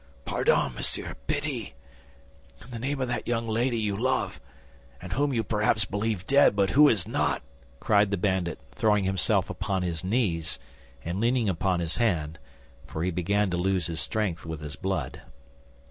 "Pardon, monsieur; pity! In the name of that young lady you love, and whom you perhaps believe dead but who is not!" cried the bandit, throwing himself upon his knees and leaning upon his hand—for he began to lose his strength with his blood.